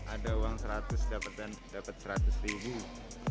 ada uang seratus dapet dan dapet seratus ribu